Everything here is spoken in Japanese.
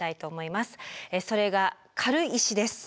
それが軽石です。